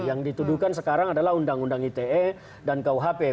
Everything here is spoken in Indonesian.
yang dituduhkan sekarang adalah undang undang ite dan kuhp